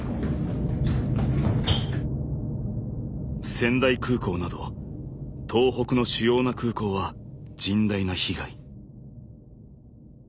仙台空港など東北の主要な空港は甚大な被害。